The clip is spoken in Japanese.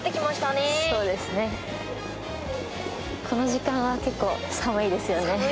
この時間は結構寒いですよね。